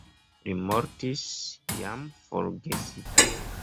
Li mortis jam forgesita.